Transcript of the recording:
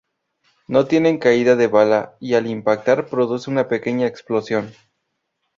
No tienen caída de bala y al impactar producen una pequeña explosión.